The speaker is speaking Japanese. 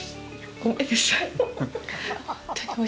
ごめんなさい。